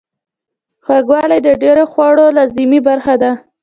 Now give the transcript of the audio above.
خوږوالی د ډیرو خوړو لازمي برخه ده.